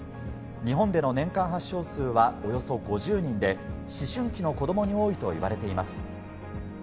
日本での年間発症数はおよそ５０人で、思春期の子供に多いといわれています。